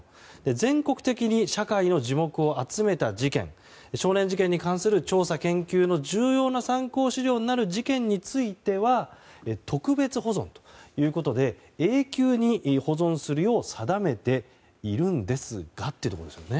全国的に社会の耳目を集めた事件少年事件に関する調査研究の重要な参考資料になる事件については特別保存ということで永久に保存するよう定めているんですがというところですね。